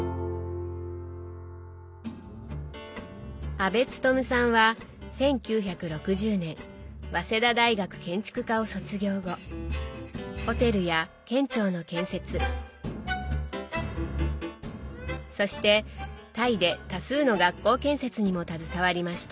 阿部勤さんは１９６０年早稲田大学建築科を卒業後ホテルや県庁の建設そしてタイで多数の学校建設にも携わりました。